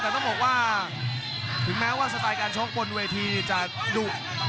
แต่ต้องบอกว่าถึงแม้ว่าสไตล์การชกบนเวทีจะดุ